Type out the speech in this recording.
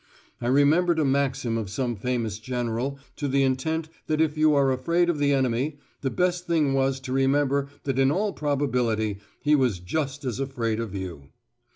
I remembered a maxim of some famous General to the intent that if you are afraid of the enemy, the best thing was to remember that in all probability he was just as afraid of you.